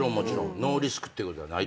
ノーリスクってことはないと思います。